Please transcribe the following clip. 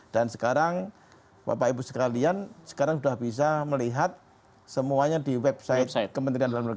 dan sekarang bapak ibu sekalian sudah bisa melihat semuanya di website kementerian dalam negeri